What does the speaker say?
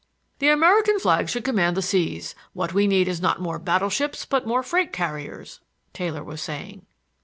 "The American flag should command the seas. What we need is not more battle ships but more freight carriers—" Taylor was saying.